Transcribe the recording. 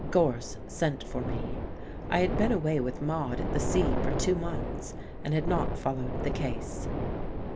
Gorse sent for me. I had been away with Maude at the sea for two months, and had not followed the case.